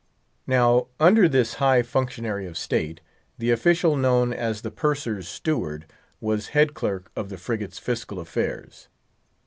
Now, under this high functionary of state, the official known as the Purser's Steward was head clerk of the frigate's fiscal affairs.